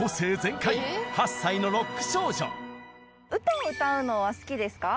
歌を歌うのは好きですか？